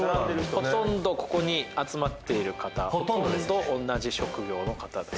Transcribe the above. ほとんどここに集まっている方ほとんど同じ職業の方です